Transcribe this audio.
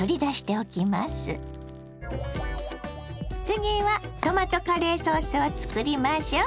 次はトマトカレーソースを作りましょ。